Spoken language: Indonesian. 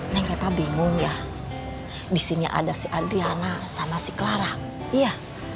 neng reva bingung ya di sini ada si adriana sama si clara iya